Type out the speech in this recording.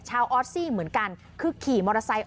ออสซี่เหมือนกันคือขี่มอเตอร์ไซค์